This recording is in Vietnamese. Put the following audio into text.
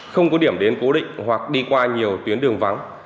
không có điểm đến cố định hoặc đi qua nhiều tuyến đường vắng